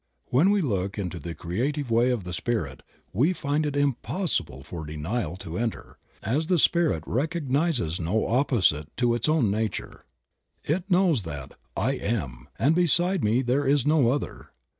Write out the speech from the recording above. When we look into the creative way of the spirit we find it impossible for denial to enter, as the Spirit recognizes no opposite to its own nature. It knows that "I Am and beside me there is no other."